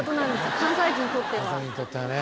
関西人にとってはね。